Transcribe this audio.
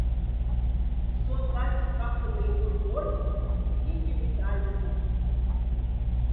Сон казьф кафта боевой орденца и вете медальса.